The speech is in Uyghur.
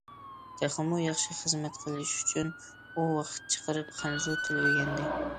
تېخىمۇ ياخشى خىزمەت قىلىش ئۈچۈن، ئۇ ۋاقىت چىقىرىپ خەنزۇ تىلى ئۆگەندى.